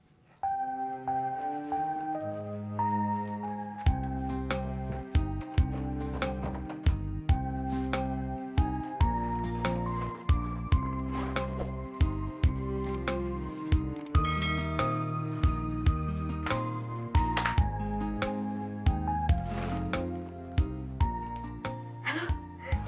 ibu aku mau pergi